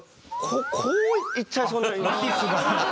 こういっちゃいそうになりますよね。